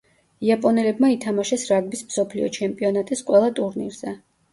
იაპონელებმა ითამაშეს რაგბის მსოფლიო ჩემპიონატის ყველა ტურნირზე.